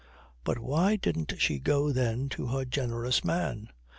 But why didn't she go then to her generous man?